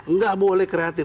nggak boleh kreatif